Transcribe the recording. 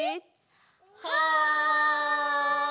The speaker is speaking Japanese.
はい！